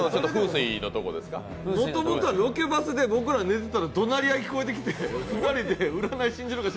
もともとはロケバスで僕ら寝てたら怒鳴り合いが聞こえてきて、２人で占い信じるか、